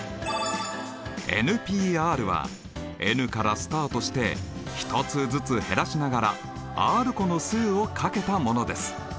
Ｐはｎからスタートして１つずつ減らしながらｒ個の数をかけたものです。